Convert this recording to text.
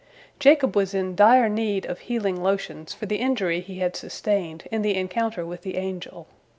Jacob was in dire need of healing lotions for the injury he had sustained in the encounter with the angel.